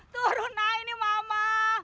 turun nah ini mama